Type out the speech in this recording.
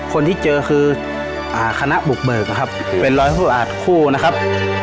คนที่เจอคือคณะบุกเบิกนะครับเป็นร้อยผู้อาจคู่นะครับ